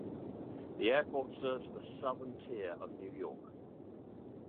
The airport serves the Southern Tier of New York.